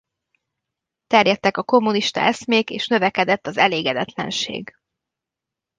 Terjedtek a kommunista eszmék és növekedett az elégedetlenség.